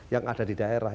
yang ada di daerah